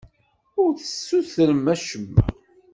Ur d-tessutrem acemma.